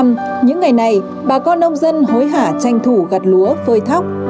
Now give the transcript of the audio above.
màu bão số năm những ngày này bà con nông dân hối hả tranh thủ gặt lúa phơi thóc